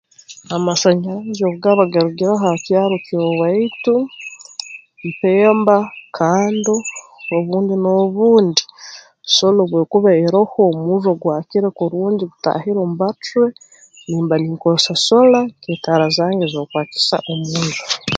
Amasanyarazi obu gaba garugireho ha kyaro ky'owaitu mpemba kando obundi n'obundi sola obu erukuba eroho omurro gwakire kurungi gutaahire mu batre nimba ninkozesa sola nk'etaara zange z'okwakisa omu nju